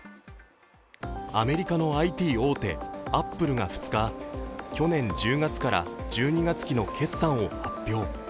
アメリカのＩＴ大手・アップルが２日、去年１０月から１２月期の決算を発表。